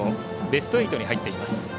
ベスト８に入っています。